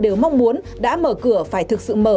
đều mong muốn đã mở cửa phải thực sự mở